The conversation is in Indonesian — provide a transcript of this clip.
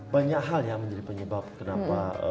banyak hal yang menjadi penyebab kenapa